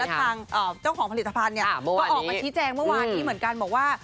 ทางเจ้าของผลิตภัณฑ์ก็ออกมาชี้แจงเมื่อวานนี้เหมือนกันบอกว่า